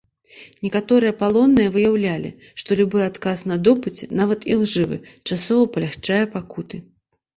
Некаторыя палонныя выяўлялі, што любы адказ на допыце, нават ілжывы, часова палягчае пакуты.